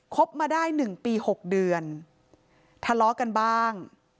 บมาได้๑ปี๖เดือนทะเลาะกันบ้าง